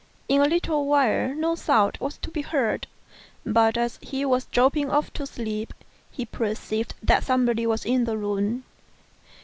In a little while no sound was to be heard; but, as he was dropping off to sleep, he perceived that somebody was in the room.